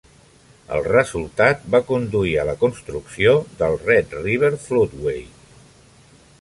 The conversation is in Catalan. El resultat va conduir a la construcció del Red River Floodway.